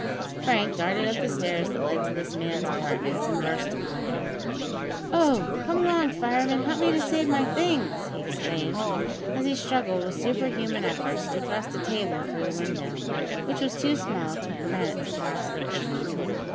Frank darted up the stairs that led to this man's apartments, and burst in upon him. "Oh! come along, fireman; help me to save my things," he exclaimed, as he struggled with superhuman efforts to thrust a table through the window, which was too small to permit its passage.